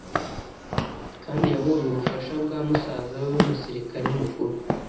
kandi yabonye ubufasha bwa musaza we w’umusirikare mukuru .